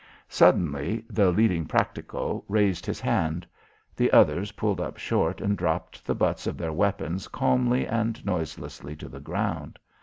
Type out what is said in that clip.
Suddenly the leading practico raised his hand. The others pulled up short and dropped the butts of their weapons calmly and noiselessly to the ground.